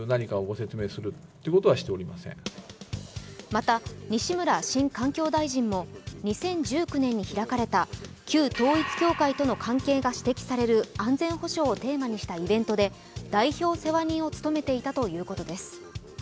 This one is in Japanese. また、西村新環境大臣も２０１９年に開かれた旧統一教会との関係が指摘される安全保障をテーマにしたイベントで代表世話人を務めていたということです。